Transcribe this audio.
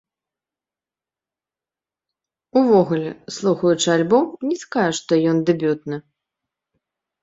Увогуле, слухаючы альбом, не скажаш, што ён дэбютны.